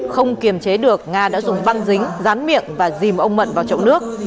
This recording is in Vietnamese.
không kiềm chế được nga đã dùng băng dính rán miệng và dìm ông mận vào trộm nước